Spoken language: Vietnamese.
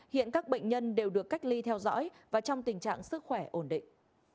hiện các bệnh nhân đều được cách ly theo dõi và trong tình trạng sức khỏe ổn định